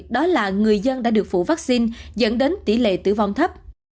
đó là người dân đã được phủ vaccine dẫn đến tỷ lệ tử vong thấp